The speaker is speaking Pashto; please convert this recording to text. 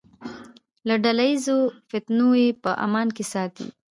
له ډله ییزو فتنو یې په امان کې ساتي.